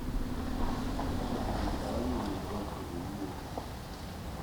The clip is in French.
Et les femmes une branche de houx au corsage.